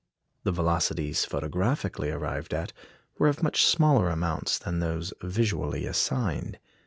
The velocities photographically arrived at were of much smaller amounts than those visually assigned.